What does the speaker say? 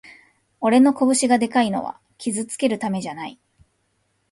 俺の拳がでかいのは傷つけるためじゃない